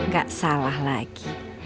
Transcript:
gak salah lagi